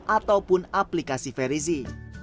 ataupun aplikasi ferizi